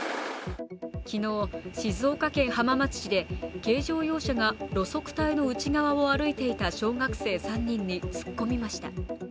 昨日、静岡県浜松市で軽乗用車が路側帯の内側を歩いていた小学生３人に突っ込みました。